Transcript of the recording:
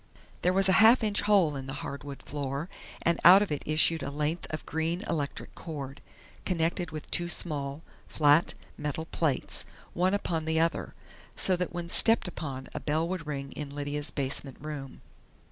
There was a half inch hole in the hardwood floor, and out of it issued a length of green electric cord, connected with two small, flat metal plates, one upon the other, so that when stepped upon a bell would ring in Lydia's basement room.